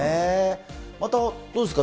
また、どうですか？